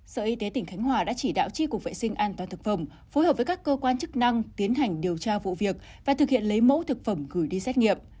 sở y tế tỉnh khánh hòa đã chỉ đạo tri cục vệ sinh an toàn thực phẩm phối hợp với các cơ quan chức năng tiến hành điều tra vụ việc và thực hiện lấy mẫu thực phẩm gửi đi xét nghiệm